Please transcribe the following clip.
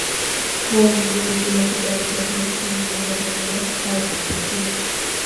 kuwa mjumbe bila kibali chake ama moja kwa moja au kupitia